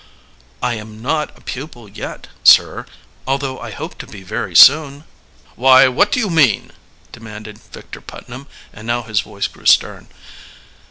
"I am not a pupil yet, sir although I hope to be very soon." "Why, what do you mean?" demanded Victor Putnam, and now his voice grew stern.